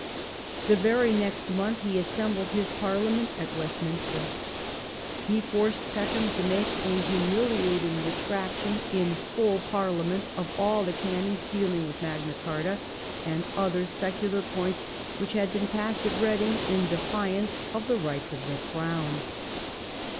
The very next month he assembled his parliament at West minster. He forced Peckham to make a humiliating retractation in full parliament of all the canons dealing with Magna Carta and other secular points, which had been passed at Reading in defiance of the rights of the Crown.